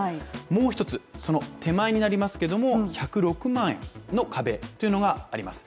もう一つ、その手前になりますけど、１０６万円の壁というのがあります。